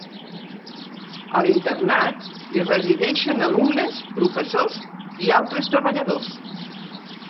A l'internat hi resideixen alumnes, professors i altres treballadors.